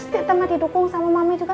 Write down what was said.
eh atuh pasti temen didukung sama mame juga